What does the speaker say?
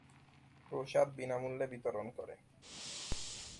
প্রসাদ বিনামূল্যে বিতরণ করে।